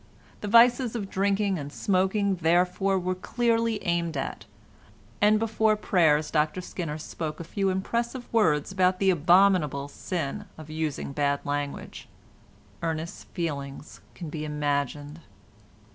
The vices of drinking and smoking, therefore, were clearly aimed at, and before prayers Dr Skinner spoke a few impressive words about the abominable sin of using bad language. Ernest's feelings can be imagined.